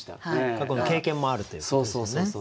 過去の経験もあるということですよね。